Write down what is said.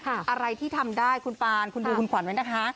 อะไรที่ทำได้คุณปานคุณดูคุณขวัญไว้นะคะ